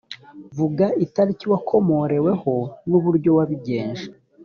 vuga itariki wakomoreweho n uburyo wabigenje